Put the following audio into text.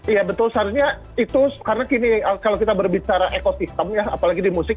iya betul seharusnya itu karena kini kalau kita berbicara ekosistem ya apalagi di musik